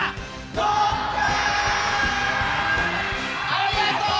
ありがとう！